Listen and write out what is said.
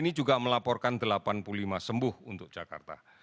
ini juga melaporkan delapan puluh lima sembuh untuk jakarta